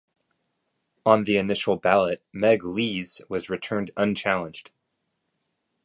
On the initial ballot, Meg Lees was returned unchallenged.